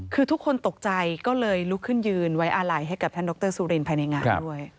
คือทุกคนตกใจก็เลยลุกขึ้นยืนไว้อาลัยให้กับท่านดรสุรินภายในงานด้วย